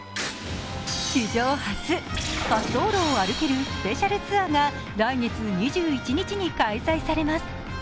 史上初、滑走路を歩けるスペシャルツアーが来月２１日に開催されます。